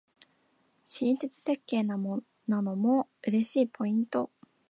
親切設計なのも嬉しいポイント